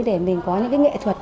để mình có những nghệ thuật